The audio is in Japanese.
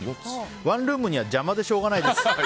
ワンルームには邪魔でしょうがないです。